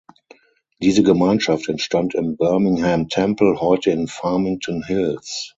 Diese Gemeinschaft entstand im Birmingham Tempel, heute in Farmington Hills.